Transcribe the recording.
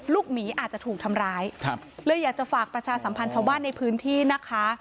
หมีอาจจะถูกทำร้ายครับเลยอยากจะฝากประชาสัมพันธ์ชาวบ้านในพื้นที่นะคะ